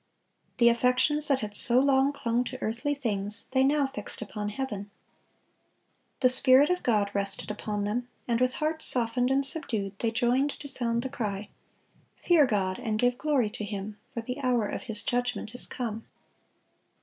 The affections that had so long clung to earthly things they now fixed upon heaven. The Spirit of God rested upon them, and with hearts softened and subdued they joined to sound the cry, "Fear God, and give glory to Him; for the hour of His judgment is come."